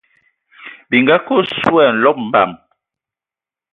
Bi nga kə osu ai nlɔb mbəm.